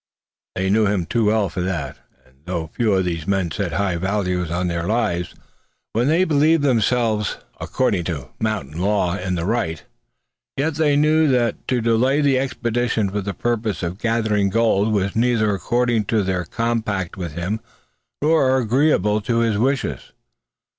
They knew him too well for that; and though few of these men set high value on their lives, when they believe themselves, according to "mountain law," in the right, yet they knew that to delay the expedition for the purpose of gathering gold was neither according to their compact with him nor agreeable to his wishes.